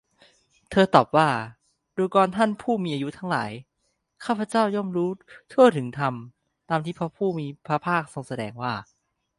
เธอตอบว่า ดูกรท่านผู้มีอายุทั้งหลาย ข้าพเจ้าย่อมรู้ทั่วถึงธรรมตามที่พระผู้มีพระภาคทรงแสดงว่า